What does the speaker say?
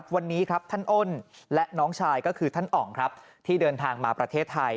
วันนี้ท่านอ่นและน้องชายก็คือท่านอ่องที่เดินทางมาไทย